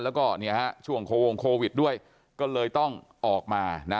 แล้วก็เนี่ยฮะช่วงโควิดด้วยก็เลยต้องออกมานะ